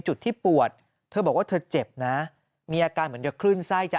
จุดที่ปวดเธอบอกว่าเธอเจ็บนะมีอาการเหมือนจะคลื่นไส้จะ